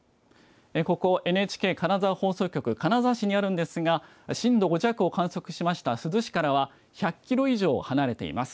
ここ、ＮＨＫ金沢放送局、金沢市にあるんですが震度５弱を観測しました珠洲市からは１００キロ以上離れています。